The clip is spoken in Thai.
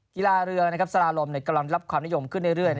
กีฬาเรือนะครับสารลมกำลังรับความนิยมขึ้นเรื่อย